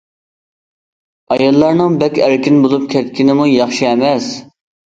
ئاياللارنىڭ بەك ئەركىن بولۇپ كەتكىنىمۇ ياخشى ئەمەس.